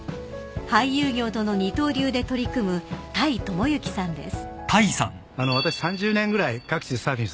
［俳優業との二刀流で取り組む田井智之さんです］